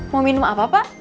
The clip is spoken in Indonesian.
mau minum apa pak